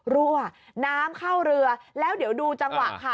รั่วน้ำเข้าเรือแล้วเดี๋ยวดูจังหวะค่ะ